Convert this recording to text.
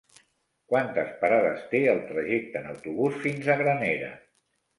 Quantes parades té el trajecte en autobús fins a Granera?